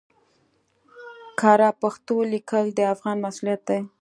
کره پښتو ليکل د افغان مسؤليت دی